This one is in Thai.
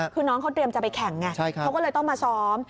คือน้องเขาเตรียมจะไปแข่งไงเขาก็เลยต้องมาซ้อม